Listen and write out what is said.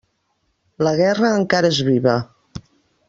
La guerra encara és viva.